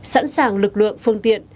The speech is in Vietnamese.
sẵn sàng lực lượng phương tiện